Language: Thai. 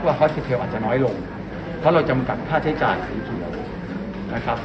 ว่าอาจจะน้อยลงเพราะเราจำกัดผ้าใช้จ่ายสีเขียวนะครับ